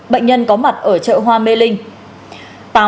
bệnh nhân có mặt ở chợ hoa mê linh